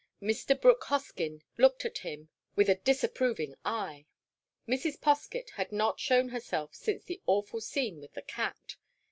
Mr. Brooke Hoskyn looked at him with a disapproving eye. Mrs. Poskett had not shown herself since the awful scene with the cat.